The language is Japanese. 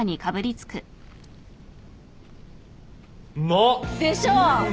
うまっ！でしょう？